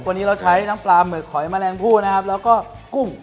วันนี้เราใช้น้ำปลาหมึกหอยแมลงผู้นะครับแล้วก็กุ้ง